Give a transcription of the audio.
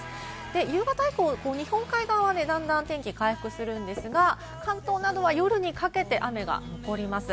夕方以降、日本海側で天気が回復するんですが、関東などは夜にかけて雨が残ります。